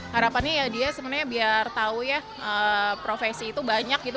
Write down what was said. harapannya ya dia sebenarnya biar tahu ya profesi itu banyak gitu